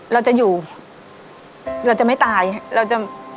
เราจะอยู่เราจะไม่ตายเราจะ